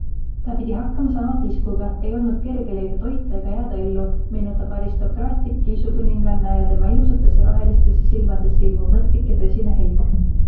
Ta pidi hakkama saama piskuga - ei olnud kerge leida toitu ega jääda ellu, meenutab aristokraatlik kiisukuninganna ja tema ilusatesse rohelistesse silmadesse ilmub mõtlik ja tõsine helk.